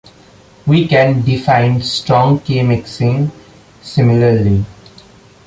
We can define strong k-mixing similarly.